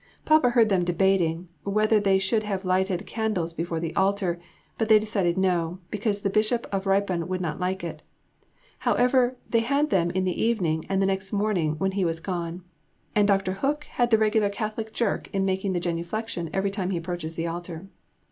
Papa heard them debating, whether they should have lighted candles before the Altar, but they decided no, because the Bishop of Ripon would not like it however they had them in the evening and the next morning when he was gone and Dr. Hook has the regular Catholic jerk in making the genuflexion every time he approaches the altar.